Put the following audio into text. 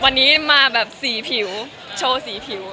วันนี้มาแบบ๔ผิวโชว์สีผิว